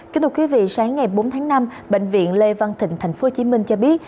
kính thưa quý vị sáng ngày bốn tháng năm bệnh viện lê văn thịnh tp hcm cho biết